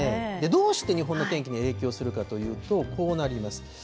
どうして日本の天気に影響するかというと、こうなります。